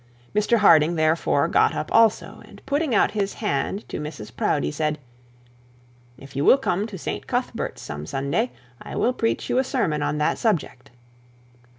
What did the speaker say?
Mr Harding therefore got up also, and putting out his hand to Mrs Proudie, said: 'If you will come to St Cuthbert's some Sunday, I will preach you a sermon on the subject.'